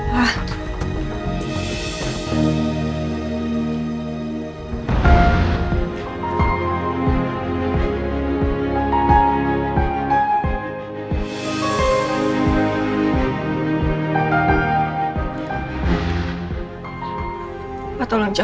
maling gak tau kira kira